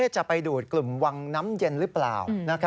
จะไปดูดกลุ่มวังน้ำเย็นหรือเปล่า